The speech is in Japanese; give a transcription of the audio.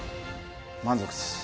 満足です。